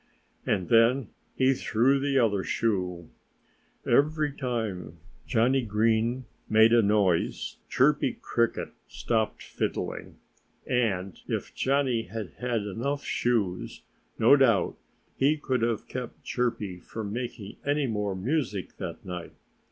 And then he threw the other shoe. Every time Johnnie Green made a noise Chirpy Cricket stopped fiddling. And if Johnnie had had enough shoes no doubt he could have kept Chirpy from making any more music that night.